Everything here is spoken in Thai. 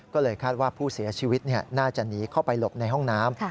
ก็เลยคาดว่าผู้เสียชีวิตน่าจะหนีเข้าไปหลบในห้องน้ำ